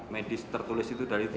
medis tertulis itu dari